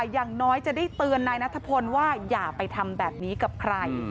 อย่างน้อยจะได้เตือนนายนัทพลว่าอย่าไปทำแบบนี้กับใคร